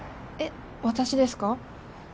えっ私ですか？